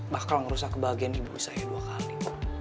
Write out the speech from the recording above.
bahkan ngerusak kebahagiaan ibu saya dua kali